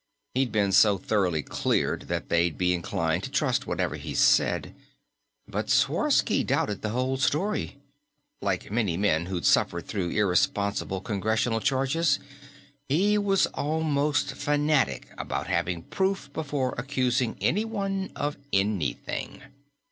He'd been so thoroughly cleared that they'd be inclined to trust whatever he said. But Sworsky doubted the whole story; like many men who'd suffered through irresponsible Congressional charges, he was almost fanatic about having proof before accusing anyone of anything.